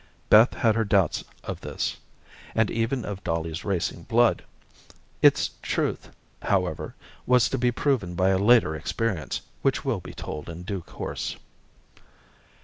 Beth had her doubts of this, and even of Dolly's racing blood. Its truth, however, was to be proven by a later experience which will be told in due course.